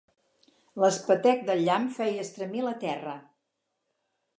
L'espetec del llamp feia estremir la terra.